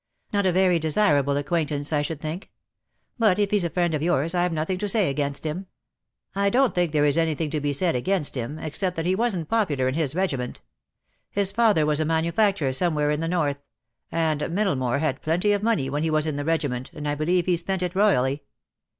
Not a very desirable acquaintance, I should DEAD LOVE HAS CHAINS. 215 think. But if he's a friend of yours I've nothing to say against him." "I don't think there is anything to be said against him — except that he wasn't popular in his regiment. His father was a manufacturer some where in the north — and Middlemore had plenty of money when he was in the regiment, and I believe he spent it royally."